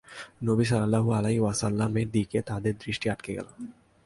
নবী সাল্লাল্লাহু আলাইহি ওয়াসাল্লামের দিকে তাঁদের দৃষ্টি আটকে গেল।